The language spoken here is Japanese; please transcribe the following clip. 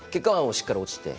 しっかり落ちて。